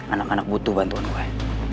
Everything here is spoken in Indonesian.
anak anak butuh bantuan wine